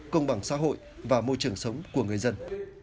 công bằng xã hội và môi trường sống của người dân